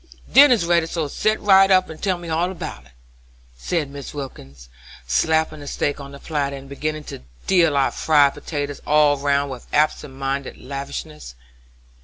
Dinner's ready, so set right up and tell me all about it," said Mrs. Wilkins, slapping the steak on to the platter, and beginning to deal out fried potatoes all round with absent minded lavishness.